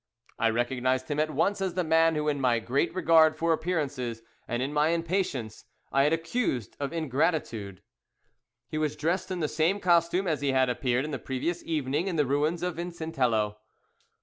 I recognized him at once as the man who in my great regard for appearances, and in my impatience, I had accused of ingratitude. He was dressed in the same costume as he had appeared in the previous evening in the ruins of Vicentello.